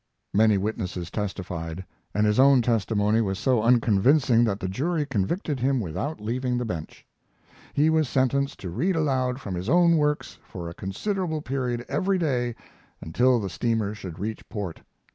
Many witnesses testified, and his own testimony was so unconvincing that the jury convicted him without leaving the bench. He was sentenced to read aloud from his own works for a considerable period every day until the steamer should reach port.